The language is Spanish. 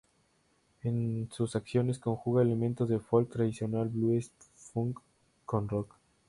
En sus canciones conjuga elementos de folk tradicional, blues y funk con rock.